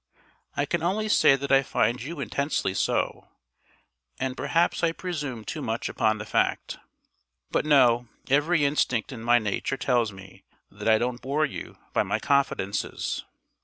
I can only say that I find you intensely so, and perhaps I presume too much upon the fact. But no, every instinct in my nature tells me that I don't bore you by my confidences.